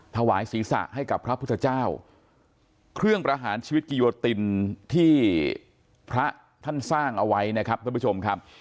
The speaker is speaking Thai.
ถวายศีรษะให้กับพระพุทธเจ้าเครื่องประหารชีวิตกิโยตินที่พระท่านสร้างเอาไว้นะครับท่านผู้ชมครับ